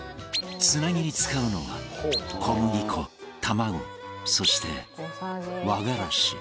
つなぎに使うのは小麦粉卵そして和がらし